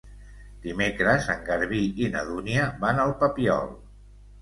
Dimecres en Garbí i na Dúnia van al Papiol.